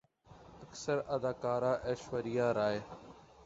اکثر اداکارہ ایشوریا رائے